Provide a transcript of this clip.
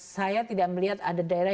saya tidak melihat ada daerah